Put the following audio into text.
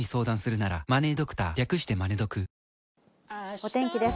お天気です。